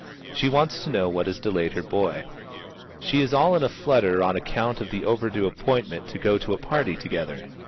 She wants to know what has delayed her boy. She is all in a flutter on account of the overdue appointment to go to a party together.